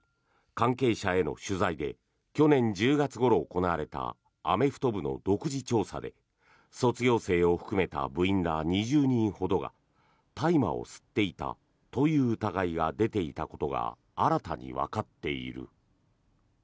関係者への取材で去年１０月ごろ行われたアメフト部の独自調査で卒業生を含めた部員ら２０人ほどが大麻を吸っていたという疑いが出ていたことが新たにわかっている。